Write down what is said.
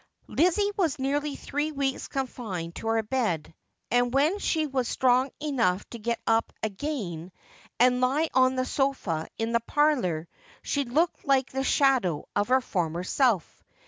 Lizzie was nearly three weeks confined to her Led, and when she was strong enough to get up again and lie on the sofa in the parlour, she looked like the shadow of her former self.